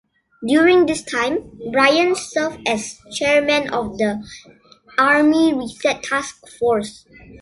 During this time, Bryant served as chairman of the Army Reset Task Force.